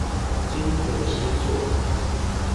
精準寫作